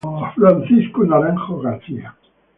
Francisco Naranjo García.